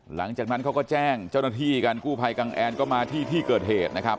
หลังจากนั้นเขาก็แจ้งเจ้าหน้าที่กันกู้ภัยกังแอนก็มาที่ที่เกิดเหตุนะครับ